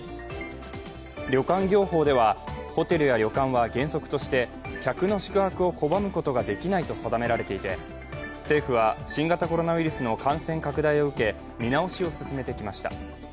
旅館業法ではホテルや旅館は原則として客の宿泊を拒むことができないと定められていて政府は新型コロナウイルスの感染拡大を受け、見直しを進めてきました。